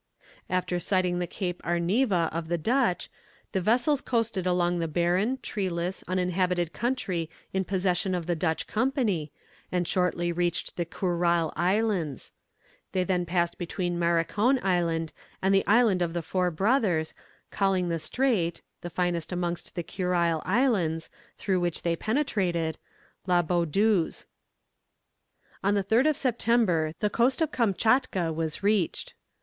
After sighting the Cape Arniva of the Dutch, the vessels coasted along the barren, treeless, uninhabited country in possession of the Dutch Company, and shortly reached the Kurile Islands. They then passed between Marikon Island and the Island of the Four Brothers, calling the strait the finest amongst the Kurile Islands, through which they penetrated La Boudeuse. On the 3rd of September the coast of Kamtchatka was reached.